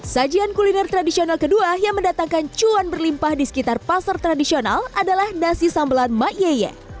sajian kuliner tradisional kedua yang mendatangkan cuan berlimpah di sekitar pasar tradisional adalah nasi sambelan ⁇ mayeyye